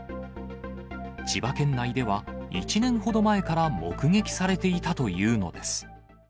千葉県内では、１年ほど前から目撃されていたというのです。